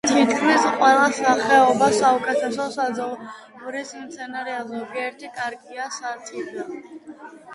თითქმის ყველა სახეობა საუკეთესო საძოვრის მცენარეა, ზოგიერთი კარგია სათიბად.